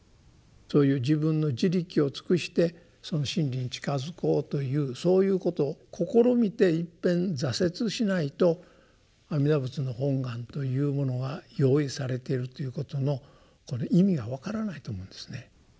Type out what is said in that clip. そういう自分の「自力」を尽くしてその「真理」に近づこうというそういうことを試みていっぺん挫折しないと阿弥陀仏の本願というものが用意されてるということのこの意味が分からないと思うんですね。